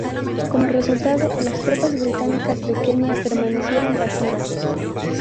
Como resultado, las tropas británicas de Kenia permanecieron pasivas.